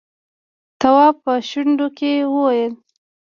تواب په شونډو کې وويل: